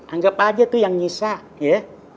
anggap aja tuh yang nyisa ya